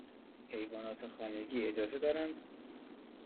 حیوانات خانگی اجازه دارند؟